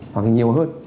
hoặc nhiều hơn